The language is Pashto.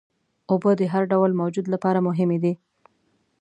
اوبه د هر ډول موجود لپاره مهمې دي.